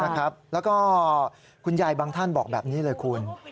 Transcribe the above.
แล้วก็คุณยายบางท่านบอกแบบนี้เลยคุณ